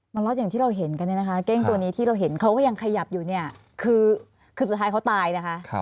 มันล็อตอย่างที่เราเห็นกันเนี่ยนะคะเก้งตัวนี้ที่เราเห็นเขาก็ยังขยับอยู่เนี่ยคือสุดท้ายเขาตายนะคะ